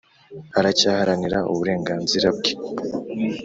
aracyaharanira uburenganzira bwe